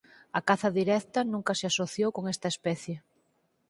A caza directa nunca se asociou con esta especie.